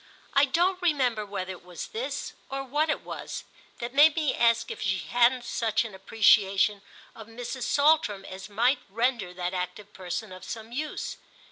I don't remember whether it was this, or what it was, that made me ask if she hadn't such an appreciation of Mrs. Saltram as might render that active person of some use.